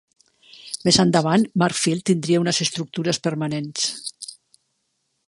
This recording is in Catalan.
Més endavant, March Field tindria unes estructures permanents.